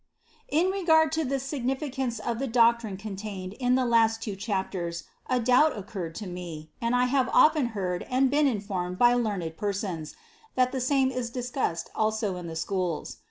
72. In regard to the significance of the doctrine con tained in the last two chapters a doubt occurred to me, and I have often heard and been informed by learned per sons, that the same is discussed also in the schools.